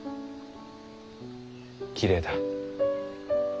きれいだ。